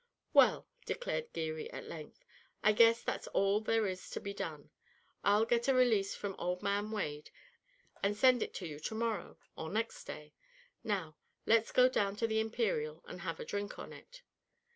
"Well," declared Geary at length, "I guess that's all there is to be done. I'll get a release from old man Wade and send it to you to morrow or next day. Now, let's go down to the Imperial and have a drink on it."